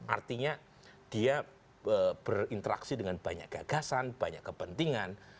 artinya dia berinteraksi dengan banyak gagasan banyak kepentingan